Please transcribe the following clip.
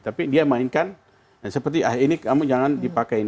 tapi dia mainkan seperti ini kamu jangan dipakai